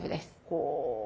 ほう。